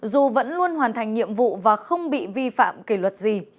dù vẫn luôn hoàn thành nhiệm vụ và không bị vi phạm kỷ luật gì